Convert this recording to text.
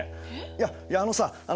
いやいやあのさあ